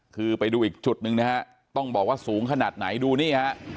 คือไปดูอีกจุดหนึ่งนะฮะต้องบอกว่าสูงขนาดไหนดูนี่ฮะ